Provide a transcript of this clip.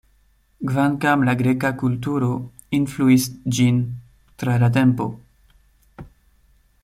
Kvankam la greka kulturo influis ĝin tra la tempo.